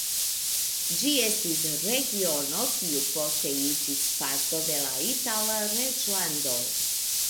Ĝi estis regiono, kiu poste iĝis parto de la Itala reĝlando.